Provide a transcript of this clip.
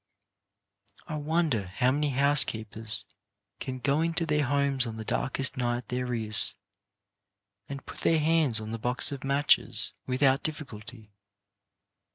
I wonder how many housekeepers can go into their homes on the darkest night there is, and put their hands on the box of matches without difficulty.